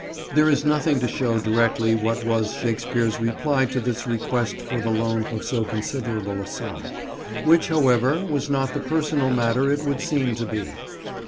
There is nothing to show directly what was Shakespeare's reply to this request for the loan of so considerable a sum; which, however, was not the personal matter it would seem to be.